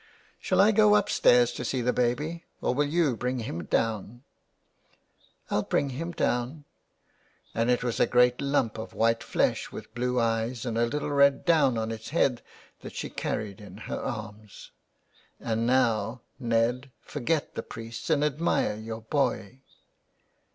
" Shall I go up stairs to see the baby, or will you bring him down ?"'^ I'll bring him down.^' And it was a great lump of white flesh with blue eyes and a little red down on its head that she carried in her arms. " And now, Ned, forget the priest and admire your boy."